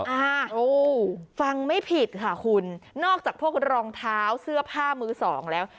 อ่าโอ้ฟังไม่ผิดค่ะคุณนอกจากพวกรองเท้าเสื้อผ้ามือสองแล้ว